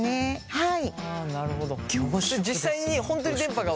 はい。